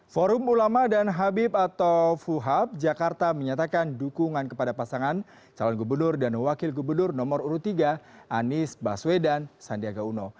forum ulama dan habib atau fuhab jakarta menyatakan dukungan kepada pasangan calon gubernur dan wakil gubernur nomor urut tiga anies baswedan sandiaga uno